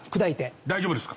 大丈夫ですか？